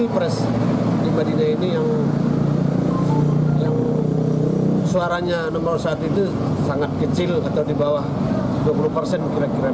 pres di badinah ini yang suaranya nomor satu itu sangat kecil atau di bawah dua puluh persen kira kira